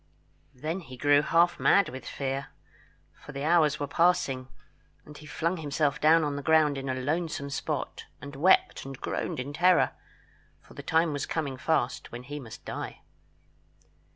Then he grew half mad with fear, for the hours were passing, and he flung himself down on the ground in a lonesome spot, and wept and groaned in terror, for the time was coming fast when he must die.